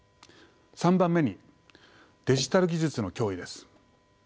３番目にデジタル技術の脅威です。